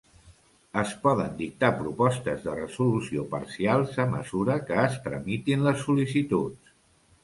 Es poden dictar propostes de resolució parcials a mesura que es tramitin les sol·licituds.